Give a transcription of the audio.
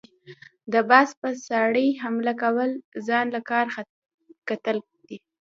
د باز په څاړي حمله كول ځان له کار کتل دي۔